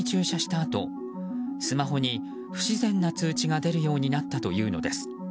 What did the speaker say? あとスマホに不自然な通知が出るようになったというのです。